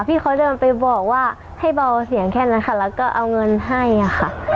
พี่เขาเดินไปบอกว่าให้เบาเสียงแค่นั้นค่ะแล้วก็เอาเงินให้ค่ะ